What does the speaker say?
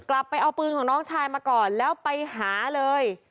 กลับไปเอาปืนของน้องชายมาก่อนแล้วไปหาเลย